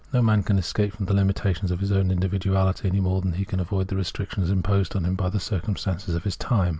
No man can escape from the limitations of his own individuality, any more than he can avoid the restrictions imposed upon him by the circumstances of his time.